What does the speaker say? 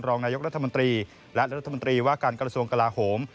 รองนายกรัฐมนตรีและรัฐมนตรีว่าการกระทรวงกลาโหม